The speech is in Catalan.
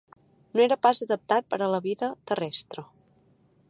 No era pas adaptat per a la vida terrestre.